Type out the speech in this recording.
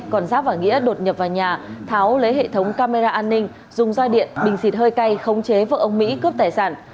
còn giáp và nghĩa đột nhập vào nhà tháo lấy hệ thống camera an ninh dùng doi điện bình xịt hơi cay khống chế vợ ông mỹ cướp tài sản